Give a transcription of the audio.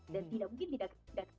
dan tidak mungkin tidak